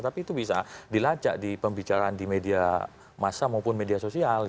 tapi itu bisa dilacak di pembicaraan di media masa maupun media sosial